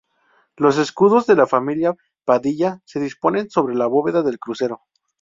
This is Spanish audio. Los escudos de la familia Padilla se disponen sobre la bóveda del crucero.